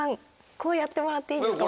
こうやってもらっていいですか？